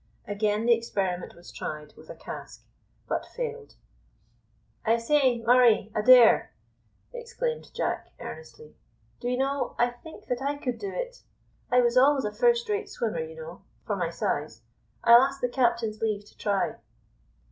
Again the experiment was tried with a cask, but failed. "I say, Murray Adair," exclaimed Jack, earnestly, "do you know, I think that I could do it. I was always a first rate swimmer, you know, for my size. I'll ask the captain's leave to try."